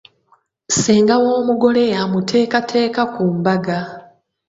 Ssenga w'omugole y'amuteekateeka ku mbaga.